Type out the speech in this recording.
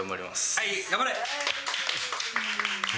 はい、頑張れ。